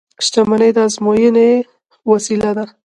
• شتمني د ازموینې وسیله ده.